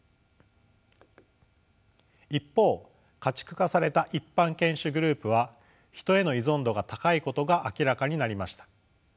一方家畜化された一般犬種グループはヒトへの依存度が高いことが明らかになりました。